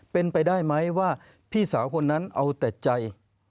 เป็นไปได้ไหมว่าพี่สาวคนนั้นเอาแต่ใจ